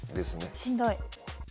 しんどい。